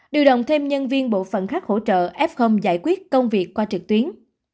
điều động thêm nhân viên bộ phận khác hỗ trợ f giải quyết công việc qua trực tuyến